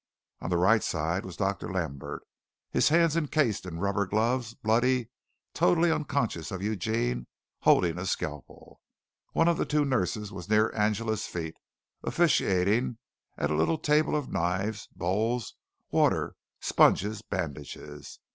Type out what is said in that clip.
On the right side was Dr. Lambert, his hands encased in rubber gloves, bloody, totally unconscious of Eugene, holding a scalpel. One of the two nurses was near Angela's feet, officiating at a little table of knives, bowls, water, sponges, bandages.